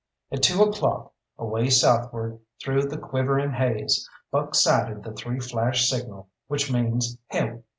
At two o'clock, away southward through the quivering haze, Buck sighted the three flash signal, which means "Help!"